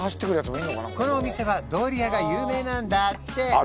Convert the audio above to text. このお店はドリアが有名なんだって